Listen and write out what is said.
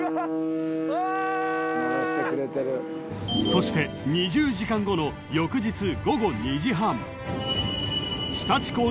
［そして２０時間後の翌日午後２時半］